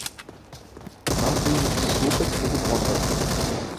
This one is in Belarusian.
Нам прыйдзецца слухаць і выконваць.